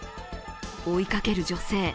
追いかける女性。